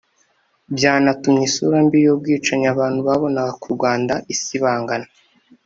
Byanatumye isura mbi y’ubwicanyi abantu babonaga k’u Rwanda isibangana